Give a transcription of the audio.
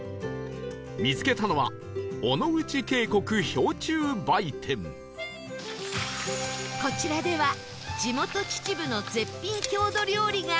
見つけたのはこちらでは地元秩父の絶品郷土料理が